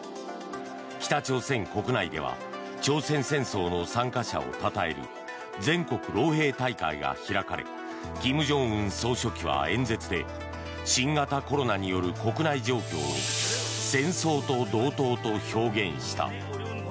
北朝鮮国内では朝鮮戦争の参加者をたたえる全国老兵大会が開かれ金正恩総書記は演説で新型コロナによる国内状況を戦争と同等と表現した。